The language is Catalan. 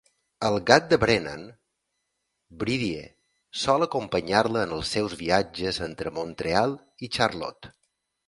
El gat de Brennan, Birdie, sol acompanyar-la en els seus viatges entre Mont-real i Charlotte.